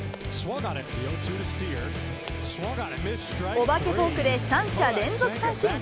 お化けフォークで３者連続三振。